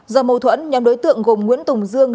do mâu thuẫn nhóm đối tượng gồm nguyễn tùng dương